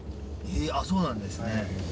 そうなんですね